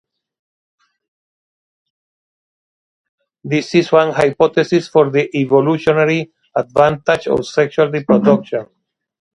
This is one hypothesis for the evolutionary advantage of sexual reproduction.